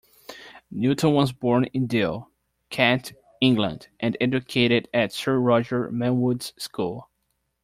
Newton was born in Deal, Kent, England and educated at Sir Roger Manwood's School.